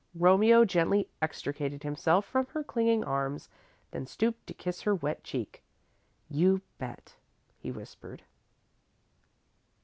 Romeo gently extricated himself from her clinging arms, then stooped to kiss her wet cheek. "You bet!" he whispered.